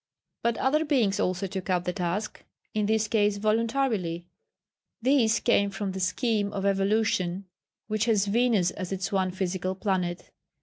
But other Beings also took up the task in this case voluntarily. These came from the scheme of evolution which has Venus as its one physical planet.